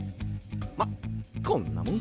まっこんなもんかな。